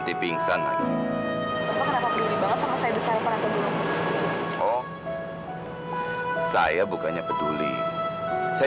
tunggu sebentar lila